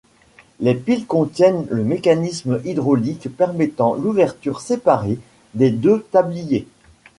Les piles contiennent le mécanisme hydraulique permettant l'ouverture séparée des deux tabliers.